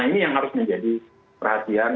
ini yang harus menjadi perhatian